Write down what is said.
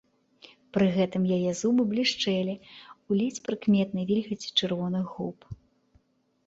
Пры гэтым яе зубы блішчэлі ў ледзь прыкметнай вільгаці чырвоных губ.